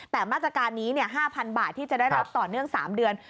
แต่มาตรการนี้๕๐๐๐บาทที่จะได้รับต่อเนื่อง๓เดือน